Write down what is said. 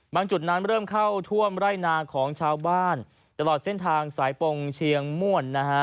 จุดนั้นเริ่มเข้าท่วมไร่นาของชาวบ้านตลอดเส้นทางสายปงเชียงม่วนนะฮะ